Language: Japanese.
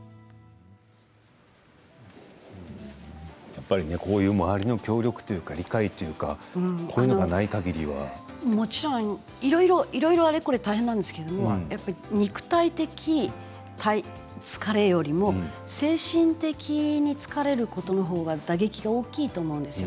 やっぱり周りの協力というか、理解というかいろいろ、あれこれ大変なんですけれど肉体的疲れよりも精神的に疲れることのほうが打撃が大きいと思うんです。